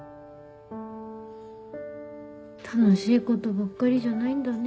楽しいことばっかりじゃないんだね。